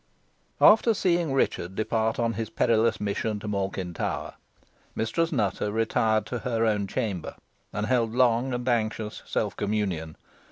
After seeing Richard depart on his perilous mission to Malkin Tower, Mistress Nutter retired to her own chamber, and held long and anxious self communion.